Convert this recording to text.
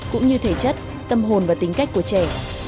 cũng như thể chất tâm hồn và tính cách của trẻ